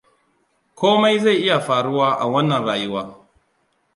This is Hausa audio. Komai zai iya faruwa a wannan rayuwa.